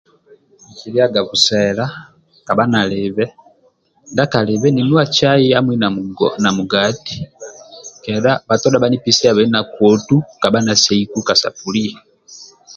Nkiliaga busela kabha nalibe ndia kalibe ninuwa cai hamui na mugati kedha bhatodha bhanipesiliabe na kotu kabha naseiku ka sapuliya.